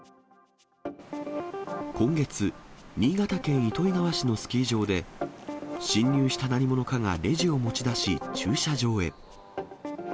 今月、新潟県糸魚川市のスキー場で、侵入した何者かがレジを持ち出し、駐車場へ。